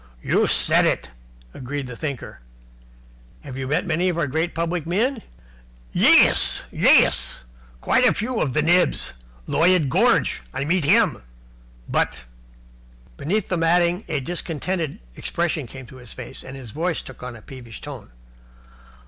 "You said it," agreed the Thinker. "Have you met many of our great public men?" "Yais Yais Quite a few of the nibs Lloyid Gorge, I meet him. But " Beneath the matting a discontented expression came into his face, and his voice took on a peevish note.